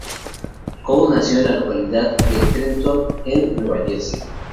Cole nació en la localidad de Trenton, en Nueva Jersey.